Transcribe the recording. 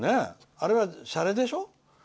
あれは、しゃれでしょ？